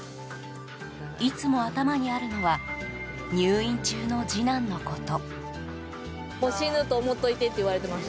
いつも頭にあるのは入院中の次男のこと。